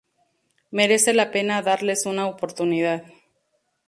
Merece la pena darles una oportunidad.